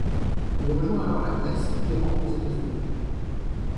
Il rejoint alors la Grèce, puis rentre aux États-Unis.